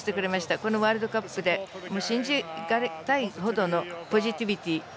このワールドカップで信じ難いほどのポジティビティー。